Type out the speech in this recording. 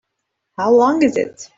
How long is it?